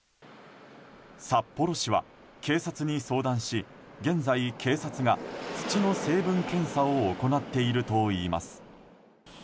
札幌市は警察に相談し現在、警察が土の成分検査を行っているといいます。